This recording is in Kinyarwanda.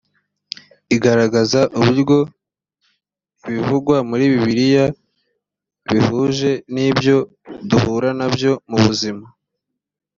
igaragaza uburyo ibivugwa muri bibiliya bihuje n ibyo duhura na byo mu buzima